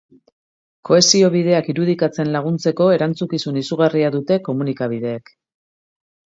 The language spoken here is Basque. Kohesio bideak irudikatzen laguntzeko erantzukizun izugarria dute komunikabideek.